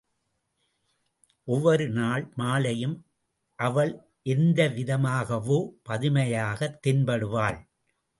ஒவ்வொருநாள் மாலையும் அவள் எந்த விதமாகவோ புதுமையாகத் தென்படுவாள்.